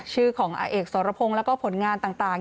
ชื่อของอาเอกสรพงศ์แล้วก็ผลงานต่าง